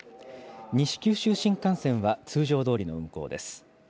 西九州新幹線は通常どおりの運行です。